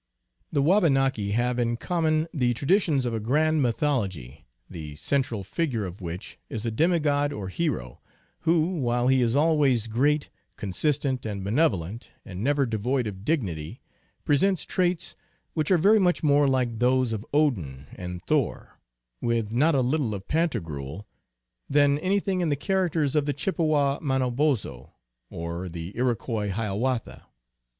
The Wabanaki have in common the traditions of a grand mythology, the central figure of which is a demigod or hero, who, while he is always great, con sistent, and benevolent, and never devoid of dignity, presents traits which are very much more like those of Odin and Thor, with not a little of Pantagruel, than anything in the characters of the Chippewa Mano bozho, or the Iroquois Hiawatha.